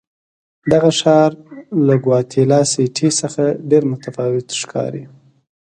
دغه ښار له ګواتیلا سیټي څخه ډېر متفاوت ښکاري.